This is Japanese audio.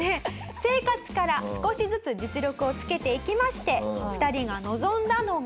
生活から少しずつ実力をつけていきまして２人が臨んだのが。